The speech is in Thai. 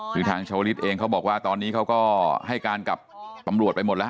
คือทางชาวลิศเองเขาบอกว่าตอนนี้เขาก็ให้การกับตำรวจไปหมดแล้ว